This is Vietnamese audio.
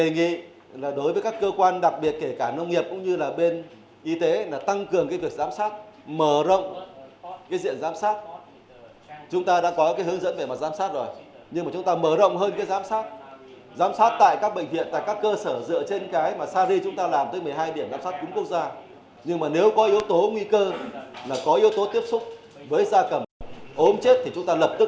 nhưng mà nếu có yếu tố nguy cơ là có yếu tố tiếp xúc với da cầm ốm chết thì chúng ta lập tức lấy mẫu